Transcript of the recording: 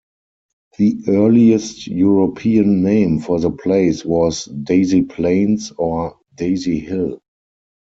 The earliest European name for the place was 'Daisy Plains' or 'Daisy Hill'.